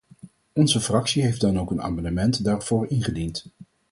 Onze fractie heeft dan ook een amendement daarvoor ingediend.